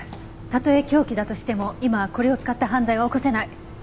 たとえ凶器だとしても今はこれを使った犯罪は起こせない。